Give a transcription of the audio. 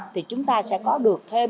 thì chúng ta sẽ có được thêm